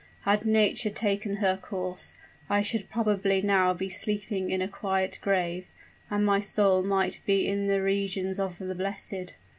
Had nature taken her course, I should probably now be sleeping in a quiet grave and my soul might be in the regions of the blessed.